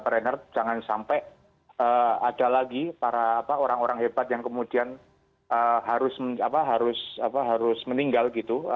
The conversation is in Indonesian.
reinhardt jangan sampai ada lagi para orang orang hebat yang kemudian harus meninggal gitu